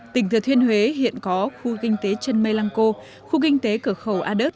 tỉnh thừa thiên huế hiện có khu kinh tế trân mây lăng cô khu kinh tế cửa khẩu a đớt